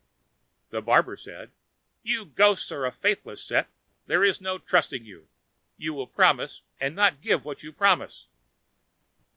The barber said, "You ghosts are a faithless set, there is no trusting you. You will promise, and not give what you promise."